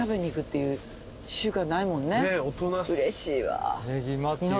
うれしいわ。